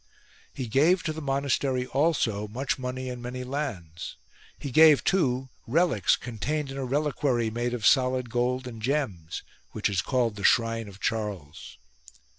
He gave to the monastery also much money and many lands : he gave too relics, contained in a reliquary made of solid gold and gems, which is called the Shrine of Charles.